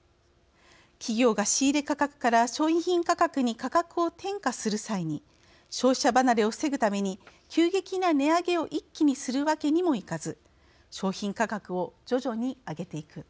企業が仕入れ価格から商品価格に価格を転嫁する際に消費者離れを防ぐために急激な値上げを一気にするわけにもいかず商品価格を徐々に上げていく。